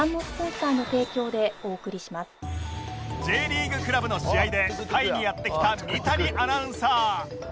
Ｊ リーグクラブの試合でタイにやって来た三谷アナウンサー